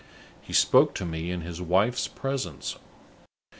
He spoke to me in his wife's presence.